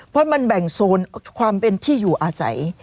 เพราะมันแบ่งโซนความเป็นที่อยู่อาศัย